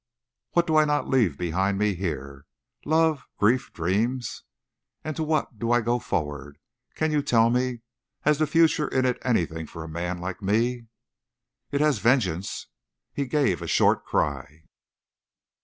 "What do I not leave behind me here? Love, grief, dreams. And to what do I go forward? Can you tell me? Has the future in it anything for a man like me?" "It has vengeance!" He gave a short cry.